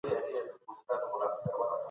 صنعتي کاروبار څنګه د ټرانسپورټ اړتیا لري؟